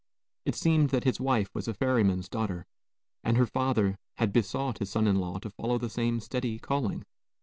It seemed that his wife was a ferryman's daughter, and her father had besought his son in law to follow the same steady calling.